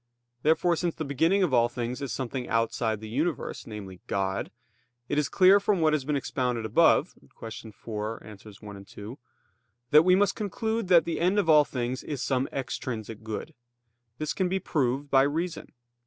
Therefore, since the beginning of all things is something outside the universe, namely, God, it is clear from what has been expounded above (Q. 44, AA. 1, 2), that we must conclude that the end of all things is some extrinsic good. This can be proved by reason.